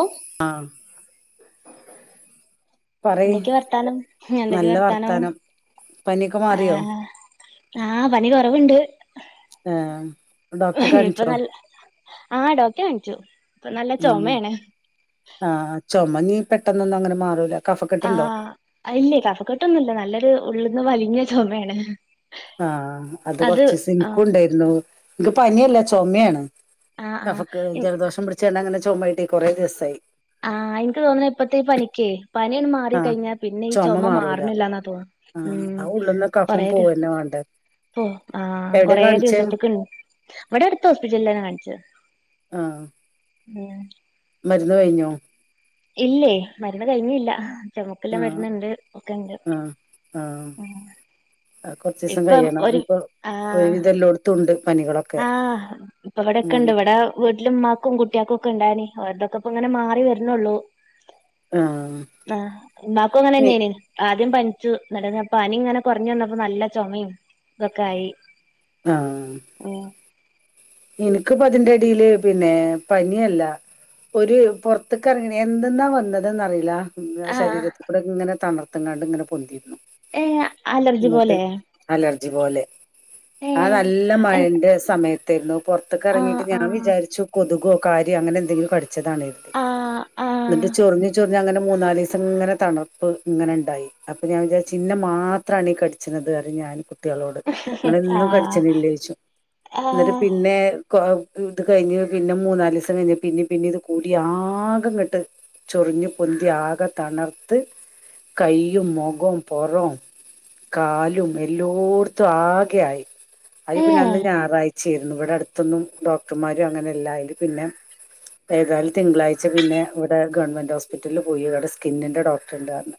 ഓ ആഹ് എന്തൊക്കെ വർത്താനം? എന്തൊക്കെ വർത്താനം? പനിയൊക്കെ മാറിയോ ആഹ്. ആഹ് പനി കൊറവുണ്ട്. ആഹ് ഡോക്ടറെ കാണിച്ചോ? ആഹ് ഡോക്ടറെ കാണിച്ചു. ഇപ്പൊ നല്ല ആഹ് ചുമയാണ്. ആഹ് ചുമ ഇഞ്ഞി പെട്ടെന്നൊന്നും അങ്ങനെ മാറൂല കഫക്കെട്ടുണ്ടോ ആഹ് ഇല്ലേ കഫക്കെട്ടൊന്നുംല്ല നല്ലൊരു ഉള്ള്ന്ന് വലിഞ്ഞ ചുമയാണ്. ആഹ് അത് കൊറച്ച്സം എന്ക്കും ഉണ്ടായിരുന്നു നിക്ക് പനിയല്ല ചുമയാണ്. ആ ആ കഫക്ക് ഇൻ- ജലദോഷം പിടിച്ചേണ്ട അങ്ങനെ ചുമ്ട്ടി കുറെ ദിവസായി. ആഹ എനിക്ക് തോന്നുന്നു ഇപ്പത്തേ പനക്ക്േ പനിയൊണ് മാറി ആഹ് കഴിഞ്ഞ പിന്നെ ഈ ചുമ മാറുന്നില്ലന്നാ തോന്നുന്നു ആഹ് ഉം ആ ഉള്ളന്ന കഫം പോൂവന്നെ വേണ്ടത് പോ ആ കൊറേ ദിവസത്തേക്കണ്ട് ഇവിടെ അടുത്ത ഹോസ്പിറ്റലിൽന്നെ കാണിച്ചത് ആഹ ഉ മന്ന് കഴിഞ്ഞോ ഇല്ലേ മരന്ന് കഴിഞ്ഞില്ല ചമുക്കെല്ലാം ആഹ് വരുന്നുണ്ട് ഒക്കെണ്ട് കൊറച്ച ദിവസം കഴിയണം ഇപ്പൊ ആഹ് ഇതെല്ലാംടത്തുംുണ്ട് ആഹ് ഇപ്പ ഇവിടെൊക്കെ ഇണ്ട് ഇവിടെ വീട്ടിലും ഉ്മാക്കും കുട്ടികാക്കും ഒക്കെ ഇണ്ട അവടെൊക്കെ അങ്ങനെ മാറി വരണള്ളൂ ആഹ് ആാക്കും അങ്ങനെ എ ആദ്യം പനിച്ചു നപ്പ പനി ഇങ്ങനെ കുറഞ്ഞു വന്നപ്പോ നല്ല ചുമയും ഇതൊക്കെ ആയി ആഹ [unintelligible] എനിക്കിപ്പ അതിന്റെടിയില് പിന്നെ പനല്ല ഒരു പുൊറത്തേക്ക ഇറങ്ങണ എന്തെന്നാ വന്നത്െന്ന്റിയില്ല ആ ആഹ് ശരീരത്തി കൂടെ ഇങ്ങനെ തണർത്തുംാണ്ട് ഇങ്ങനെ പൊന്തിരുന്നു ഏ അലർജി പോലെ അലർജി പോലെ ആ ഏഹ് നല്ല എഹ് മഴറെ സമയത്തായിരുന്നു പുറത്തൊക്കെ ആഹ് ഇറങ്ങയിട്ട് ഞാ ആഹ് വിചാരിു കൊുകോ കാര്യോ അങ്ങനെ എന്തെിലുംിച്ച ആഹ് ആഹ് എന്നിട്ട് ചന മൂന്ന നാല് ദിവസം ഇങ്ങനെ തണുപ്പ് ഇങ്ങനെ ഉണ്ടായി അപ്പൊ ഞാൻാ ചി് മാത്രമാണ് ീ കടിച്ചുന്നത് ക ഞാൻ കുട്ടികളോട് അങ്ങനെ ഇന്നും ആഹ് കടിച്ചന ഇല്ലിച്ചു എന്നിട്ട് ആഹ് പിന്നെ ഇത് കഴിഞ്ഞ് പിന്നെ മൂന്നല് ലസം കഴിഞ്ഞ് പിന്നെ പിന്നെ ഇത് കൂടി ആകം കെട്ട് ചൊ ഒറിഞ്ഞു പൊന്തിി ആക തണർത്തു കയും മുഖം പൊറോം കാലും എല്ലായിടത്തും ആകെയ ആായി അതി പിന്നെ ഏഹ് അന്ന് ഞായറാഴ്ച്ച ചേർരുന്നു ഇവിടെ അടുത്തൊന്നും ഡോക്ടർമാരും അങ്ങനെ എല്ലായാലും പിന്നെ ഏതായാലും തിങ്കളാഴ്ച പിന്നെ ഇവിടെ ഗവൺമെന്റ് ഹോസ്പിറ്റലിൽ പോയി ഇവിടെ സ്കിന്നിന്റെ ഡോക്ടറിന്റൊണ്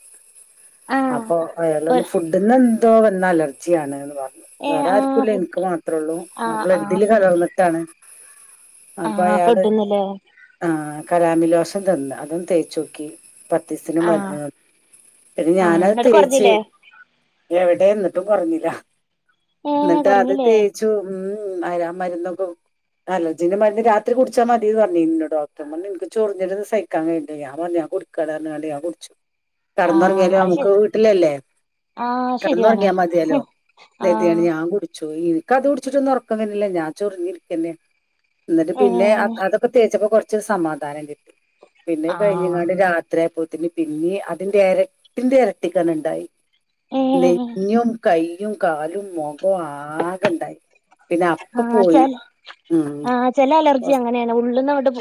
ആഹ് അപ്പൊ അയാള ഒര് ഫുഡന്ന് എന്തോ വന്ന അലർജിയ ആാണ്ന്ന് പറഞ്ഞ ഏഹ് വേറെ ആഹ് ആർരിക്കല്ല ഫുഡ് എനിക്ക് മാത്രമേ ഉള്ളൂ ആഹ് അപ്പള ആഹ് ഇതില് ഫുഡ് കലർന്നിട്ടാണ് അപ്പൊ ആഹ് അയാള് ഫുഡ്ന്ന്ല്ലേ ആ കരാമിലോസം തന്ന അതും തേച്ചോക്കി മസിനും ആഹ് മന്ന് പിന്നെ ആഹ് ഞാനത് എന്നിട്ട് തേച്ച് കൊറഞ്ഞില്ലേ എവിടെ എന്നിട്ടും പറഞ്ഞില്ല ഏ എന്നിട്ട് അത് കുറഞ്ഞില്ലേ തേച്ചു ഉം ആരാ മരുന്നൊക്കെ അലർജിന മരുന്ന് രാരിടിച്ചാ മതിയ പറഞ്ഞി ഇന്ന ഡോടർമ്മ നിനക്ക് ചൊറിഞ്ഞിരുന്ന് സഹിക്കാൻ കഴിോ ഞാ പറഞ്ഞ കുടിക്കടാ ഞ കുടിച്ചു ആഹ് കടന്നുറങ്ങിയല് അത് നമുക്ക് ശരി വീട്ടിലല്ലേ ആഹ് ശരിയാണ് കിടന്നുറങ്ങിയാൽ മതിയാലോ എയാണ് ആഹ് ഞാൻ കുറിച്ചു ഈ അത് കുടിച്ചിട്ടൊന്നും ഉറക്കനില്ല ഞാ ചൊറിഞ്ഞിരിക്കന്നെ എന്നി് ഏ പിന്നെ അതൊക്കെ തേച്ചപ്പോ കൊറ സമാധാനം കിട്ടി പിന്നെ ആഹ് കഴിഞ്ഞാ രാത്രിയ അന് പിന്നെ അതിന്റെ ഇരട്ടിന്റെ ഇരട്ടിക്കാനുണ്ടായി ഏ നെഞ്ഞും കൈ യും കാലും മുഖവും ആകെ ഉണ്ടായി പിന്നെ അപ്പ പോയി ഉം ആ ചെില അലർജി ഹോസ്- അങ്ങനെയാണ് ഉള്ളിൽ നിന്ന് അട്ട്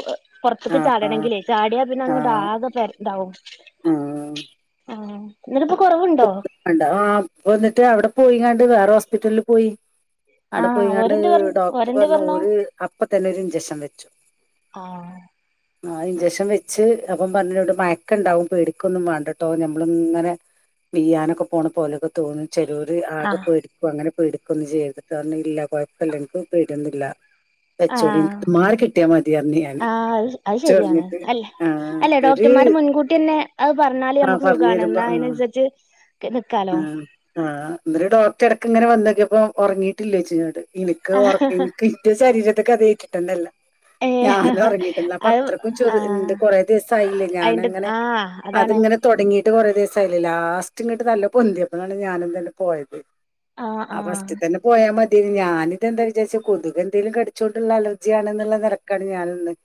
ആ പുറത്തേക്ക് ആ ചാടണമെങ്കിലേ ചാടിയാൽ പിന്നെ് ആകെ പരം ആഹ ആഹ് എന്നിട്ടിപ്പോ കൊറവുണ്ടോ ആ വന്നിട്ട് അവിടെ പോയി കണ്ട് വേറെ ഹോസ്പിറ്റലില് പോയി അവിടെ ആഹ് പോയിങ്ങാണ്ട് ഓരെന്ത് പറഞ്ഞു ഡോക്ടർ ഓരെന്ത് പറഞ്ഞു ഒരു അപ്പ തന്നെ ഒരു ഇഞ്ചെക്ഷൻ വെച്ചു ആഹ ആ ഇഞ്ചക്ഷൻ വെച്ച് അപ്പം പറഞ്ഞ ഇവിടെ മയക്ക ഇണ്ടാവും പേടിക്കൊന്നും വേണ്ടട്ടോ നഞമ്മള ഇങ്ങനെ ബ്യാനൊക്കെ പോണ പോലെയൊക്കെ തോന്നും ചെറൂര് ആകെ ആഹ് പോയിേടിക്കും അങ്ങനെ പേടിക്കൊന്നും ചെയ്യര്ത്ട്ടൊ ന്ന് ല്ല കൊഴപ്പല്ല ഇൻക് പേഡ്യോന്നൂല്ല വച്ചോളി ആഹ് ൻക്ത് മാറി കിട്ടിയാ മതിയർഞ് ഞാന് ആഹ് അത് ചൊർഞ്ഞിട്ട് ആഹ് ഒര് മാര് മുൻകൂട്ടിയന്നെ അത് പറഞ്ഞാല് നമുക്ക് സുഖണ് ന്നാ അയ്നനുസരിച്ച് ആഹ് ആഹ് ന്നരു ഡോക്ടർ എട്ക്ക്ങ്ങനെ വന്നൊക്യപ്പം ഒർങ്ങീട്ടില്ലേയ്ച് ന്നോട് ഇനിക്കവ് ആഹ് ഒർക് ഇൻക് ഇന്റെ ശരീരത്ക്ക് അത് ഏറ്റിട്ടന്നെല്ല ഏ ഞാൻ ഒറങ്ങിട്ടില്ല അപ്പൊ അത് അത്രയ്ക്കും ചൊറ ആഹ് ണ്ട് കൊറെ ദിവസായില്ലേ അയിന്റെ ഞാനങ്ങനെ ആഹ് അതാണ് അത്ങ്ങനെ ന്നെ തൊടങ്ങിട്ട് കൊറെ ദിസായിലെ ലാസ്റ്റ് ഇങ്ങട്ട് നല്ല പൊന്തിയപ്പളാണ് ഞാനതന്നെ പോയത് ആഹ് അ ആഹ് ഫസ്റ്റ് തന്നെ പോയാ മതി- നി ഞാനിതെന്താ വിചാരിചെ കൊതുകെന്തേലും കടിച്ചോണ്ടുള്ള അലർജ്യാണ് ന്ന്ള്ള നെലക്കാണ് ഞാനും നിന്നെ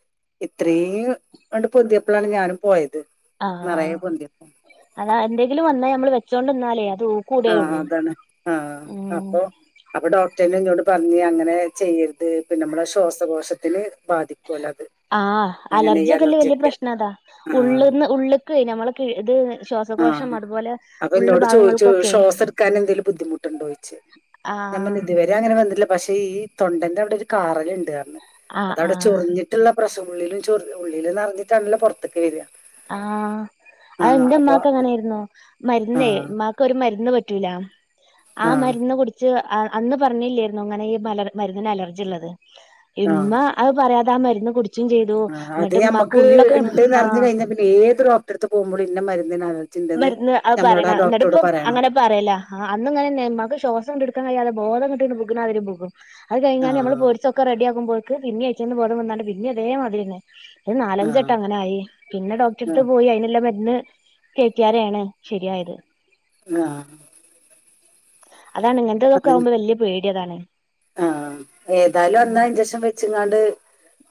ഇത്രയും ണ്ട് പൊന്ത്യപ്പളാണ് ഞാനും പോയത് ആഹ നിറയെ പൊന്തിയപ്പോ അതാ എന്തെങ്കിലും വന്നാ നമ്മള് വെച്ചോൊണ്ട്ന്നാലേ അ ആഹ അതാണ് ആഹ ഉം അപ്പൊ അപ്പൊ ഡോ ർന് ന്നോട് പർഞ്ഞ് അങ്ങനെ ചെയ്യരുത് പിന്നെ നമ്മളെ ശ്വാസകോശത്തിന് ബാധിക്കുമല്ലോ അത് ആ അങ്ങനെ ഈ അലർജിയൊക്കെല്ല വല്യയ അലർജിയൊക്കെ പ്രശ്നം അതാ ആ ഉള്ള്ന്ന് ഉള്ള് ക്ക് ക്കെ നമ്മളെ ക് ത് ആഹ അപ്പൊ എന്നോട് ചോയിിച്ചു ഭാഗങ്ങൾക്കൊക്കെ ശ്വാസട്ക്കാൻ എന്തേലും ബുദ്ധിമുട്ടുണ്ടോയ്ച് ഞാൻ ആഹ് പർഞ് ഇതുവരെ അങ്ങനെ വന്നില്ല പക്ഷെ ഈ തൊണ്ടന്റെ അവിടൊരു കാറല്ണ്ട് ർഞ് ആഹ് അതവിടെ ആഹ് ചൊറിഞ്ഞിട്ടുള്ള പ്രശം ഉുള്ളിലും ചൊറ ഉള്ളിലും നിറഞ്ഞിട്ടാണല്ലോ പുറത്തൊക്കെ വരിക ആഹ ആഹ് അപ്പൊ അത്ൻ്റെമ്മാക്കങ്ങനേര്ന്നു മര്ന്നേ ആഹ് മ്മാക്കൊരു മര്ന്ന് പറ്റ് റ്റൂലാ ആ ആഹ് മര്ന്ന് കുട്ച്ച് ആ അന്ന് പറഞ്ഞില്ലേര്ന്നു ങ്ങനെ ഈ മലർ മര്ന്നിന് അലർജിള്ളത് ആഹ് ഇമ്മ അത് പറയാ തെ ആ മര്ന്ന് കുട്ച്ചും ചെയ്തു ആഹ് അത് ന്നട്ട്മാക്ക് ഞമ്മക്ക് ഉള്ളൊക്കെ ഇണ്ട്ന്ന് അറിഞ്ഞു ആഹ് കഴിഞ്ഞാ ഏത് ഡോക്ടർത്ത് പോകുമ്പളും ന്ന മര് മര്ന്ന് അത് പറയണം എന്നിട്ട്പ്പം പറയണം അങ്ങനെപറയല ആ അന്നുങ്ങനെന്നെ ഇമ്മാക്ക് ശ്വാസം ങ്ങട്ട് ഇട്ക്കാൻ കയ്യാതെ ബോധം കെട്ട്ങ്ങട്ട് ബ്ഗ്ണാതിരി ബുഗും അത് കഴിഞ്ഞാണ്ട് നമ്മള് ആഹ് പേട്ച്ചൊക്കെ റെഡിയാകുമ്പ പിന്നെ അയ്ച്ചന്ന് ബോധം വന്നാണ്ട് പിന്നിം അതേ മാതിരിന്നെ ഇത് നാലഞ്ചെട്ട ആഹ് അങ്ങനെ ആായി പിന്നെ ഡോക്ടറെടുത്ത് ആഹ് പോയി അയിന്െല്ലാം മരുന്ന് കേറ്റിയാരേണ് ശരിയായത് ആഹ അതാണ് ഇങ്ങൻത്തതൊക്കെ ആകുമ്പോ വല്യയ പേടി അതാണ് ആഹ ഏതായാലും അന്നാ ഇഞ്ചക്ഷൻ വെച്ചങ്ങാണ്ട്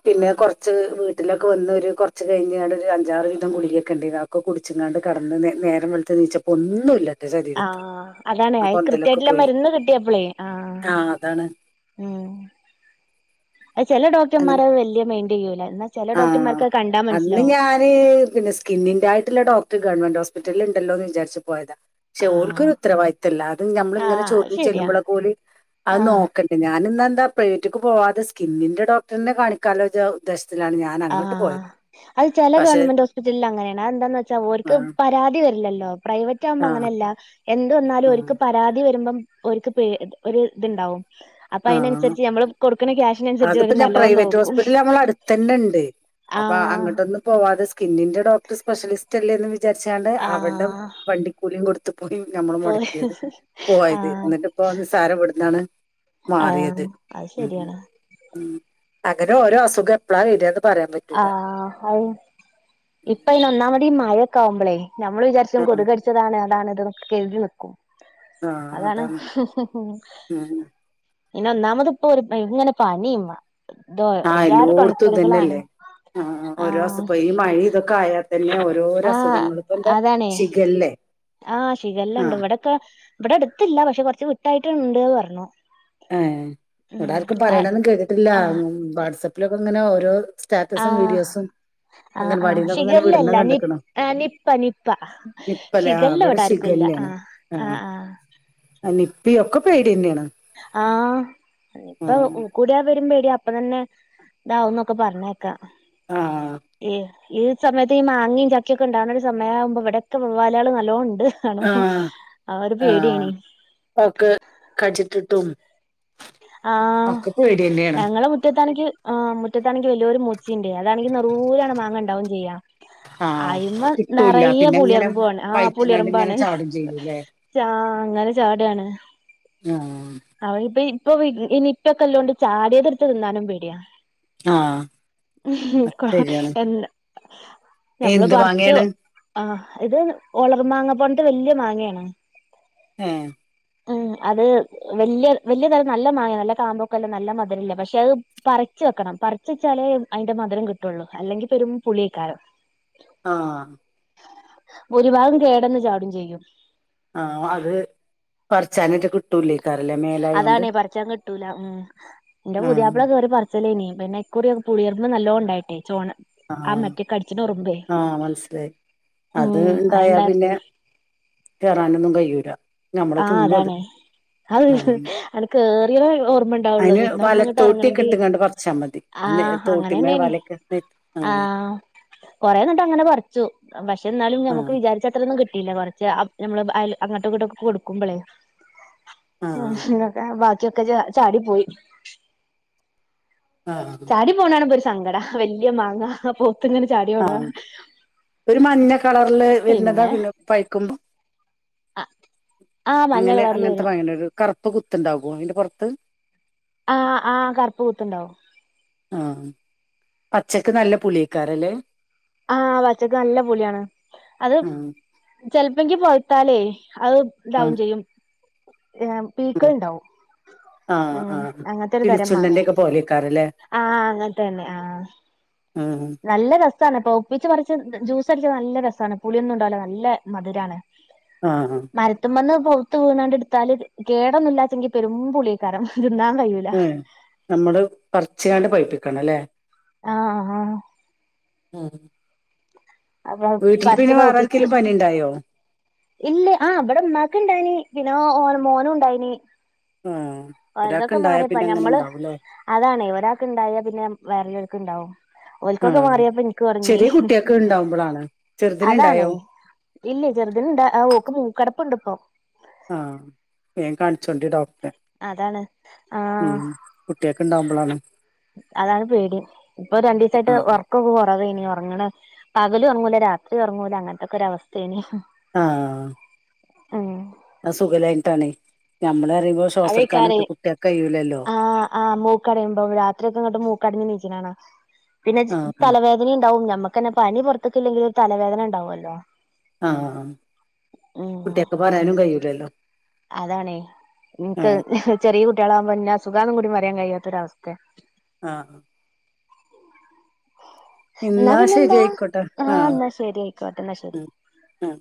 പിന്നെ കൊർച്ച് വീട്ടിലൊക്കെ വന്ന് ഒരു കൊർച്ച് കഴിഞ്ഞാണ്ട് ഒരു അഞ്ചാറ് വീതം ഗുളികക്കെ ഇണ്ടെനു അതൊക്കെ കുടിച്ചിങ്ങാണ്ട് കടന്ന് നേരം വെള്ത് നീച്ചപ്പോൊ ഒന്നുംുമല്ല ആഹ അതാണ് കൃത്യമായിട്ടുള്ള പോയി മരുന്ന് കിട്ടിയപ്പളെ ആഹ ആ അതാണ് ഉം അ ചെല ഡോക്ടർമാരത് വല്ിയ മെയിന്റ് ചെയ്യൂല എന്നാ ചില ആഹ ഡോക്ടർമാർക്ക് അത് കണ്ടാ അന്ന് മനസ്സിലാവും ഞാന് പിന്നെ സ്കിന്നിന്റെറെ ആയിട്ടുള്ള ഡോക്ടർ ഗവൺമെന്റ് ഹോ ഹസ്പിറ്റിൽ ഉണ്ടല്ലോന്ന് വിചാരിച്ച് പോയതാണ് ആഹ് പക്ഷെഓൾക്കൊരു ഉത്തരവാദിത്തവമ അത് നമ്മള ഇങ്ങനെ അത് ചൊർഞ് ശരിയാ ചെല്ലുമ്പളൊക്കെ ഓല് അത് ആഹ് നോക്കണ്ടേ ഞാനിന്നാന്താ പ്രൈവറ്റക്ക് പോവാതെ സ്കിന്നിന്റെ ഡോക്ടറിനെ കാണിക്കാാലോ ഉദ്ദേശ ആഹ അത് ചെല പക്ഷെ ഗവൺമെന്റ് ഹോസ്പിറ്റലിൽ അങ്ങനെയാണ് അത്‌ന്താന്ന് വെച്ചാ ആ അവർക്ക് പരാതി വരില്ലല്ലോ പ്രൈവറ്റ് ആകുമ്പോ ആ അങ്ങനെയല്ല എന്ത് വന്നാലും ആ ഒൽക്ക് പരാതി വരുമ്പം ഓര്ക്ക് ഒരു ഇത്ണ്ടാവും അപ്പൊ ആ അതിനനുസരിച്ച് നമ്മള് കൊടുക്കുന്ന ക്യാഷിനനുസരിച്ച് അവ നല്ലോ നോക്കും ണ്ട് അപ്പ ആഹ് അങ്ങോട്ടൊന്നും പോവാതെസ്കിന്നിന്റെ ഡോക്ടർ സ്പെഷ്യലിസ്റ്റ്ല്ലേന്ന് വി വിചാരിച്ചാണ്ട് അവടെ ആഹ് വണ്ടിക്കൂലിയും കൊടു പോയി നമ്മൾ പോയി മുടക്കിയത് പോയത് ആഹ് ന്നിട്ട് ഇപ്പോ സാരം ഇടുന്നാണ് ആഹ് മാറിയത് അത് ഉം ശരിയാണ് അങ്ങനെ ഓരോ അസുഖം എപ്പോഴാ ഇരി ആഹ അത് ഇപ്പ ഇന് ഒന്നാ മതി മഴൊക്ക ആാവുമ്പളെ നമ്മള് ആ വിചാരിച്ചും കൊതുകട്ച്ചതാണ് അതാണ്ത് ത്തൊക്കെ കരുതി നിക്കും അതാണ് ഉം പിന്നെ ഒന്നാമത് ഇപ്പൊ ഒരു ഇങ്ങനെ പനിയമ്മോ ഒരു ജാ തൊണക്കടുകളളാണ് ആഹഓ വസം പോയി ഈ മഴ ഇതൊക്കെ ആയാ തന്നെ ഓരോരോ ആഹ് അസുഖങ്ങൾ ഇപ്പൊ എന്താ അതാണേ ശിഗല്ലേ ആഹ് ശിഖല്ല ഉണ്ട് ഇവിടെക്കെ ഇവിടെ അടുത്തില്ല പക്ഷെ കൊറച്ച് കിട്ടായിട്ട്ണ്ട്ന്ന് പറഞ്ഞു ആഏ ഉം ഇവിടെർക്കും ആഹ് പറയണന്നും കേതിട്ടില്ല ആഹ് വാട്സആപ്പിലൊക്കെ ഇങ്ങനെ ഓരോ സ്റ്റാറ്റസും വീഡിയോസും ആ ആ അംഗൻവാടിന്നൊക്കെ ഇങ്ങനെ വിടുന്ന ശിഗല്ലല്ല നി കണ്ട്ക്ക്ണ് നിപ്പ നിപ്പ നിപ്പല്ലേ ആ ശിഖല്ല ഇവിടെ ഇവിടെർക്കുംല്ല ആ ശിഖല്ലേണ് ആഹ് ആഹ് അ നിപ്പ ഒക്കെ പേഡിയ തന്നെയാണ് ആ ഇപ്പൊ കൂടിയാ വരുമ്പ പേട അപ്പൊ തന്നെ ഇതാവന്നൊക്കെ പറഞ്ഞേക്കാം ആഹ് ഈ സമയത്ത് ഈ മാങ്ങയും ചക്കൊക്കെണ്ടാവുന്ന ഒരു സമയമാവുമ്പോ ഇവിടെയൊെവ്ലാല ആൾ നല്ലോണ്ട് ആ ആ പക്ക് കഴിച്ചിട്ടിട്ടും ആ ഞങ്ങളെ മുറ്റത്താണക്ക് ആ മുറ്റത്താണക്ക് വലിയരു ച്ചി അതാണെങ്കി നറൂല ആണ് മാങ്ങ ഉണ്ടാവും ചെയ്യാം ആഹ് അയിമ കിട്ടൂല്ല നിറയ പിന്നെ ഇങ്ങനെ പുളിയറമ്പുണ് ആ പയറ്റിങ്ങാണ്ട് ഇങ്ങനെ പുളിയറമ്പാണ് ചാടും ചെയ്യൂല്ലേ അങ്ങനെ ചാടണ് ആ അവപ്പ ഇപ്പൊ ഇനി ഇപ്പൊക്കെ എല്ലോണ്ട് ചാടിയതെടുത്ത് തിന്നാനും പേടിയാ ആഹ് അത് ശരിയാണ് എന്ത ഞമ്മള് എന്ത് പറച്ച് മാങ്ങേണ് ആ ഇത് ഒളർ മാങ്ങ പോണട്ട് വല്യ മാങ്ങാണ് ആ ഉം അത് വല വലിയ തരം നല്ല മാങ്ങ നല്ല താമ്പൊക്കല്ല നല്ല മധുരല്ല പക്ഷെ അത് പറിച്ച് വെക്കണം പറിച്ച് വെച്ച ലേ അയിന്റെ മധുരം കിട്ടുള്ളു അല്ലെങ്കി പെരും പുളിയേക്കാരം ആഹ് ഒരു ഭാഗം കേടന്ന് ചാടും ചെയ്യും ആഹ് അത് പർച്ചാനെറ്റെ കിട്ടൂല്ലേക്കാരല്ലേ മേലായോണ്ട് ട്ടൂല്ല ഊം ഇന്റെ ആഹ് പുതിയാപ്പള കേറി പറിച്ചലേനി പിന്നെ ഇക്കുറി പുളിയെർമ്പ് നല്ലോ ഉണ്ടായിട്ടേ ചോണ ആ ആഹ് മറ്റേ കടിച്ചിണ ഉറുമ്പേ ആഹ് മനസിലായി അത് ഉം ഉണ്ടായാ അയിണ്ടാ പിന്നെ കേറാനൊന്നും കയ്യൂല ആഹ് അതാണെ ഹൗ ആഹ് ആണ്ട് കേറിയതേ ഓർ മ്മണ്ടാവുള്ളോ അയിന് പിന്ന അപ്പട്ന്ന്ങ്ങട്ട് വലത്തോട്ടിയൊക്കെ എറങ്ങണെങ്കി ഇട്ട്ങ്ങാണ്ട് പറിച്ചാ മതി ആ തോട്ടിമ്മേ അങ്ങനെന്നെനി വലക്കെ ആ് ആഹ് കൊറെ ഇന്നട്ട് അങ്ങനെ പറിച്ചു പക്ഷെ ഇന്നാലും ഞമ്മുക്ക് ആഹ് വിചാരിച്ച അത്രന്നും കി ട്ടീല്ല കുറച്ച് അ നമ്മള് അ അയല് അങ്ങട്ടും ഇങ്ങട്ടൊക്കെ കൊടുക്കുമ്പളേ അഹ് ആഹ് [unintelligible] ബാക്കിയൊക്കെ ച ചാടി പോയി ആഹ് ചാടി പോണാ ണ് മ്പൊ ഒരു സങ്കടാ വലിയ മാങ്ങ പോ ആഹ് ഒരു മഞ്ഞ കളർല് വരുന്നതാ പിന്നെ പഴുക്കുമ്പോ ആ മഞ്ഞ അങ്ങനെ കളറിൽ അങ്ങൻത്തെ വരും മാങ്ങണ്ടൊര് കറുപ്പ് കുത്തുണ്ടാവൊ അതിന്റെ പുറത്ത് ആഹ് ആ കറുപ്പ് കുത്ത് ഉണ്ടാവു ആഹ് പച്ചക്ക് നല്ല പുളിയെക്കാരല്ലേ ആഹ് പച്ചക്ക് നല്ല പുളിയാണ് അത് ആഹ് ചെലപ്പോങ്കി പവുത്താലേ അത് ഇതാവും ആഹ് ചെയ്യും പീക്കൾ ഉണ്ടാവും ആഹ് ഉം ആഹ് അങ്ങനത്തൊരു തരം മാങ്ങേ കിളിച്ചുണ്ടന്റെ ഒക്കെ പോലെക്കാരല്ലേ ആഹ് അങ്ങൻത്തന്നെ ആഹ് ആഹ് നല്ല രസാണ് പഴുപ്പിച്ച് പറിച്ച് ജ്യൂസ് അടിച്ചാത് നല്ല രസാണ് പുളിയൊന്നും ഉണ്ടാവൂല്ല നല്ല മധുരാണ് ആഹ് മരത്ത്മന്ന് പൗത്ത് വീണാണ്ട് ഇട്ത്താല് കേടൊന്നും ഇല്ലാച്ചെങ്കിൽ പെരുമ്പുളിയെക്കാരം തിന്നാ ഉം നമ്മള് പറ്ച്ച്കാണ്ട് പൈപ്പിക്കണംല്ലേ ആഹ് ആഹ് ഉം അപ്പൊ വീട്ടിൽ പിന്നെ വേറെ ആർക്കെലും പനി ഉണ്ടായോ ഇല്ലേ ആഹ് അവിടെ ഉമ്മാക്ക് ഇണ്ടായിനി പിന്നെ ഓ ഓന് മോനു ഉണ്ടായിനി ഉം ഒരാക്ക് ഓരതൊക്കെ ഉണ്ടായ മാറിയപ്പ പിന്നെ അങ്ങനെ ഞമ്മള് ഉണ്ടാവൂല്ലേ അതാണേ ഒരാൾക്ക് ഉണ്ടായാൽ പിന്നെ വേറെല്ലോർക്ക് ഉണ്ടാവും ഓൽക്കൊക്കെ ആഹ് മാറിയപ്പം ഇൻക്ക് തൊടങ്ങി ചെറിയ കുട്ടിയക്ക് ഇണ്ടാവുമ്പളാണ് ചെറുതിന് ഇണ്ടായോ അതാണേ ഇല്ല ചെറുതിന് ഇണ്ട് ഓക്ക് മൂക്കടപ്പുണ്ട് ഇപ്പൊ ആഹ് വേൻ കാണിച്ചോണ്ടി ഡോക്ട റെ അതാണ് ആഹ് ഉം കുട്ടിയൊക്കെ ഉണ്ടാവുമ്പളാണ് അതാണ് പേടി ഇപ്പൊ രണ്ടു ദിവസായിട്ട് ആഹ് വർക്കൊക്കെ കൊറവേനി ഉറങ്ണ പകലും ഒറങ്ങൂല രാത്രിം ഉറങ്ങൂല അങ്ങനത്തൊക്കെ ഒരു അവസ്ഥേ നി ആഹ് ആഹ് അത് സുഖല്ലാഞ്ഞിട്ടാണേ ഞമ്മള് പറിമ്പോ ശ്വാസർക്കാന കുട്ടിയേക്കയ്യു ആ ആ മൂക്കടയുമ്പോ രാത്രിയൊക്കെ ഇങ്ങട്ട് മൂക്കടഞ് നീച്ണ കാണ പിന്നെ ജ് ആഹ് തലവേദനിണ്ടാവും ഞമ്മക്കന്നെ പനി പുറത്ക്ക് ഇല്ലെങ്കിലും ഒരു തലവേദന ഉണ്ടാവല്ലോ ആഹ് കുട്ടിയേക്ക് പറയാനും കഴിലല്ലോ അതാണേ ഇൻക്ക് ചെറിയ കുട്ടികളാവുമ്പോ ഇന്ന അസുഖാന്നും കൂടി പറയാൻ കഴിയാത്തൊരവസ്ഥെ ആഹ് [unintelligible] എന്ന ഇന്നാ ശരി പിന്നെന്താ ആയിക്കോട്ടെ ആഹ് എന്നാ ശരി ആയിക്കോട്ടെ എന്നാ ശരി ഉം ആഹ്